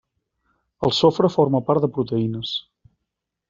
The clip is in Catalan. El sofre forma part de proteïnes.